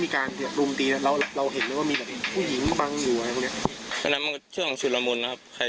คือเส้นหมดแล้ว